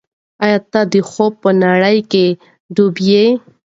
آیا ته د خوب په نړۍ کې ډوب یې؟